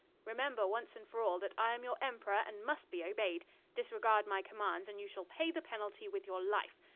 "Remember, once and for all, that I am your emperor and must be obeyed. Disregard my commands and you shall pay the penalty with your life.